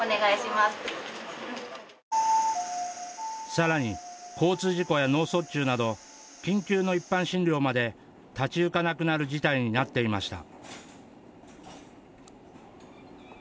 さらに交通事故や脳卒中など緊急の一般診療まで立ちゆかなくなる事態になっていました。